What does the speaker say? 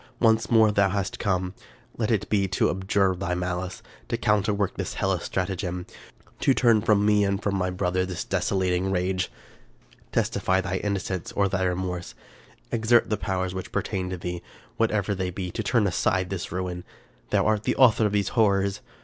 once more hast thou come ? Let it be to abjure thy malice ; to counterwork this hellish stratagem ; to turn from me and from my brother this desolating rage !" Testify thy innocence or thy remorse ; exert the powers which pertain to thee, whatever they be, to turn aside this ruin. Thou art the author of these horrors!